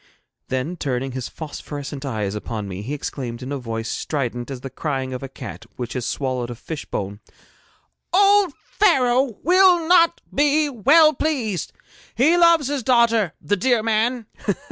Then turning his phosphorescent eyes upon me, he exclaimed in a voice strident as the crying of a cat which has swallowed a fish bone: 'Old Pharaoh will not be well pleased. He loved his daughter, the dear man!'